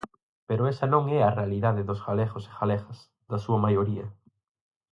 Pero esa non é a realidade dos galegos e galegas, da súa maioría.